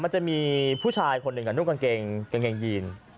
มันจะมีผู้ชายคนหนึ่งกับนุ่งกางเกงยีน